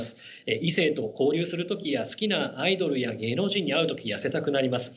異性と交流する時や好きなアイドルや芸能人に会う時痩せたくなります。